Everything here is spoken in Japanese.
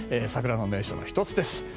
桜の名所の１つです。